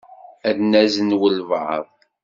Ad nazen walebɛaḍ.